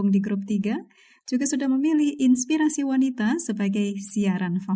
marilah siapa yang mau